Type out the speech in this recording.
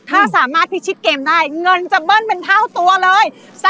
ถ้าสามารถพิชิตเกมได้เงินจะเบิ้ลเป็นเท่าตัวเลย